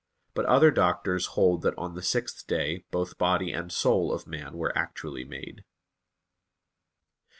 But other doctors hold that on the sixth day both body and soul of man were actually made.